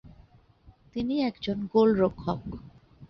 তিনি একজন গোলরক্ষক।